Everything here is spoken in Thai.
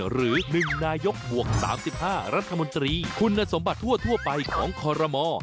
หรือ๑นายกบวก๓๕รัฐมนตรีคุณสมบัติทั่วไปของคอรมอ